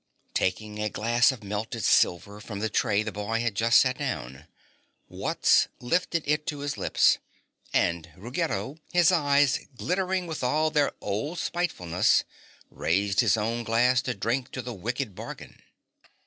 Taking a glass of melted silver from the tray the boy had just set down, Wutz lifted it to his lips, and Ruggedo, his eyes glittering with all their old spitefulness, raised his own glass to drink to the wicked bargain.